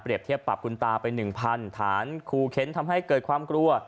เปรียบเทียบปรับคุณตาไปหนึ่งพันธุ์ฐานคูเค้นท์ทำให้เกิดความกลัว